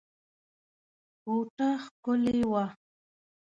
کوټه ښکلې وه.